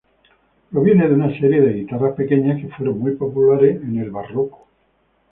Proviene de una serie de guitarras pequeñas que fueron muy populares en el Barroco.